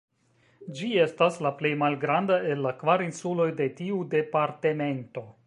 Ĝi estas la plej malgranda el la kvar insuloj de tiu departemento.